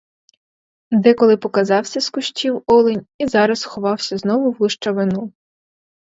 Деколи показався з кущів олень і зараз ховався знову в гущавину.